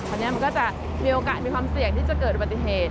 อันนี้มันก็จะมีโอกาสมีความเสี่ยงที่จะเกิดอุบัติเหตุ